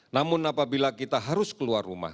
namun apabila kita harus keluar rumah